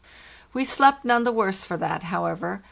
We slept none the worse for that, however.